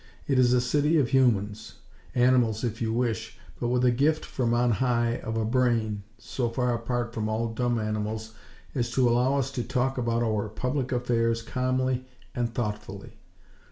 It is a city of humans; animals, if you wish, but with a gift from On High of a brain, so far apart from all dumb animals as to allow us to talk about our public affairs calmly and thoughtfully.